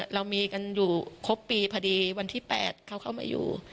เรามีกันอยู่ครบปีพอดีวันที่๘เขาเข้ามาอยู่